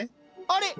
あれ？